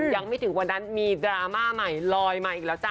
ยังไม่ถึงวันนั้นมีดราม่าใหม่ลอยมาอีกแล้วจ้